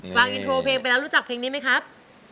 ฟังอินโทรเพลงไปแล้วรู้จักเพลงนี้ไหมครับ